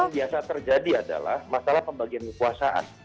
yang ketiga yang biasa terjadi adalah masalah pembagian kekuasaan